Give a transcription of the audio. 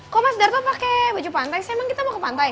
kok mas darto pake baju pantai sih emang kita mau ke pantai